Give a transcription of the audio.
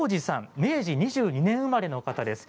明治２２年生まれの方です。